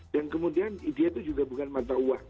dan kemudian dia itu juga bukan mata uang